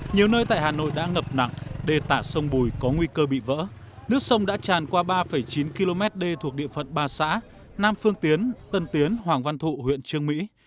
nhiều nơi tại hà nội đã ngập nặng đề tả sông bùi có nguy cơ bị vỡ nước sông đã tràn qua ba chín km đê thuộc địa phận ba xã nam phương tiến tân tiến hoàng văn thụ huyện trương mỹ